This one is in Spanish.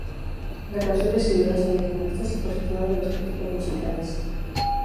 La canción recibió reseñas mixtas y positivas de los críticos musicales.